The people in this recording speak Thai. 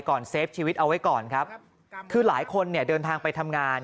เซฟชีวิตเอาไว้ก่อนครับคือหลายคนเนี่ยเดินทางไปทำงาน